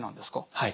はい。